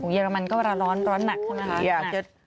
เยอรมันก็เวลาร้อนร้อนหนักใช่ไหมครับ